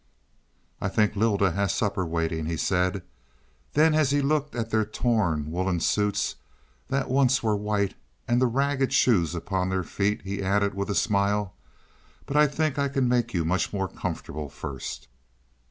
"I think Lylda has supper waiting," he said. Then as he looked at their torn, woolen suits that once were white, and the ragged shoes upon their feet, he added with a smile, "But I think I can make you much more comfortable first."